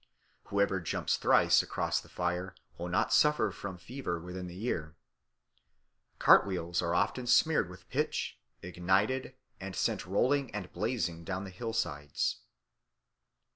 Whoever jumps thrice across the fire will not suffer from fever within the year. Cart wheels are often smeared with pitch, ignited, and sent rolling and blazing down the hillsides.